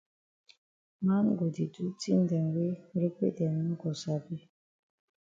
Man go di do tin dem wey repe dem no go sabi.